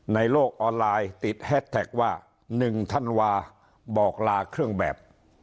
ในโลกออนไลน์ติดแฮสแท็กว่า๑ธันวาบอกลาเครื่องแบบ